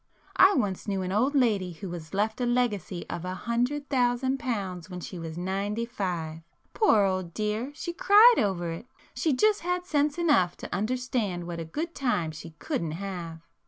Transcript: I once knew an old lady who was left a legacy of a hundred thousand pounds when she was ninety five. Poor old dear, she cried over it. She just had sense enough to understand what a good time she couldn't have.